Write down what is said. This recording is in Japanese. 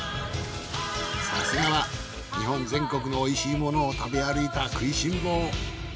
さすがは日本全国のおいしいものを食べ歩いたくいしん坊！